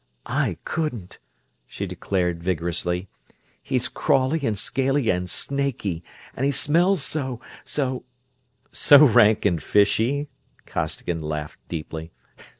"I couldn't!" she declared, vigorously. "He's crawly and scaly and snaky; and he smells so ... so...." "So rank and fishy?" Costigan laughed deeply.